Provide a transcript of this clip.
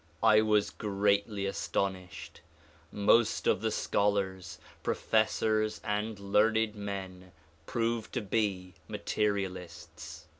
I was greatly astonished. Most of the scholars, professors and learned men proved to be mate rialists.